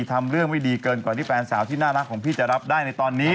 ทำเรื่องไม่ดีเกินกว่าที่แฟนสาวที่น่ารักของพี่จะรับได้ในตอนนี้